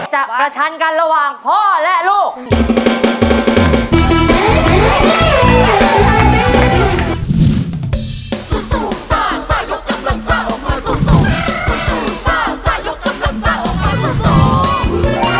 ประชันกันระหว่างพ่อและลูก